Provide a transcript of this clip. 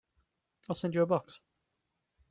I'll send you a box.